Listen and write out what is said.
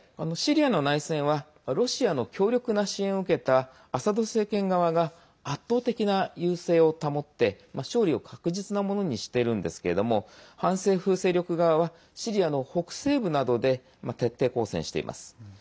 シリアの内戦はロシアの強力な支援を受けたアサド政権側が圧倒的な優勢を保って勝利を確実なものにしているんですけれども反政府勢力側はシリアの北西部などで徹底抗戦しています。